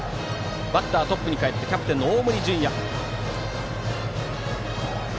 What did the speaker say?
バッターはトップにかえりキャプテンの大森准弥。